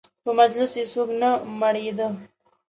په مجلس یې څوک نه مړېده.